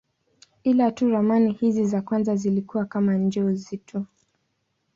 Ila tu ramani hizi za kwanza zilikuwa kama njozi tu.